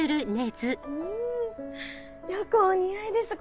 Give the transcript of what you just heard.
よくお似合いです